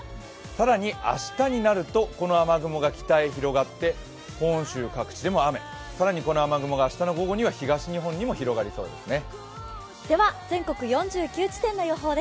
更に明日になるとこの雨雲が北に広がって本州各地でも雨、更にこの雨雲が明日の午後には東日本にも広がりそうですね。